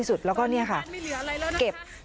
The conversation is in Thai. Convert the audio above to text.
เสียหายหมด